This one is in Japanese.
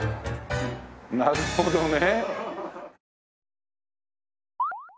なるほどね。